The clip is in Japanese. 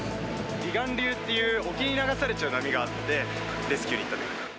離岸流っていう沖に流されちゃう波があって、レスキューに行った。